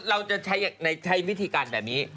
เราจะใช้วิธีการแบบนี้